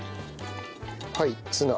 はいツナ。